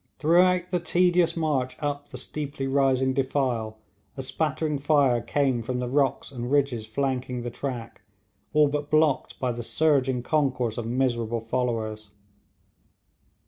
Throughout the tedious march up the steeply rising defile a spattering fire came from the rocks and ridges flanking the track, all but blocked by the surging concourse of miserable followers.